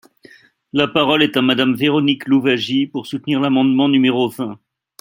La parole est à Madame Véronique Louwagie, pour soutenir l’amendement numéro vingt.